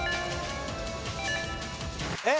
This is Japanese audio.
えっ？